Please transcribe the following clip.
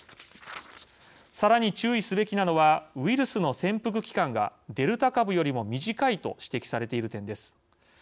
さらに注意すべきなのはウイルスの潜伏期間がデルタ株よりも短いと指摘されている点です。